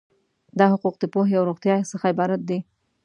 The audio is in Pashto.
دا حقوق د پوهې او روغتیا څخه عبارت دي.